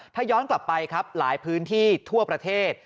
ถ้าย้อนกลับไปครับหลายพื้นที่ทั่วประเทศ